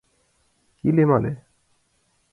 Илем але!